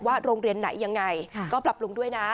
โรงเรียนไหนยังไงก็ปรับปรุงด้วยนะ